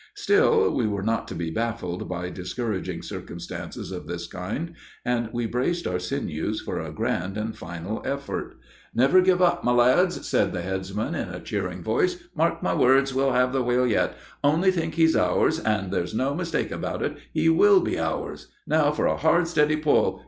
Still we were not to be baffled by discouraging circumstances of this kind, and we braced our sinews for a grand and final effort. "Never give up, my lads," said the headsman, in a cheering voice. "Mark my words, we'll have the whale yet. Only think he's ours, and there's no mistake about it, he will be ours. Now for a hard, steady pull!